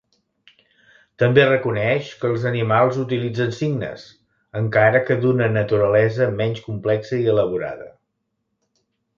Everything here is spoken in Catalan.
També reconeix que els animals utilitzen signes, encara que d'una naturalesa menys complexa i elaborada.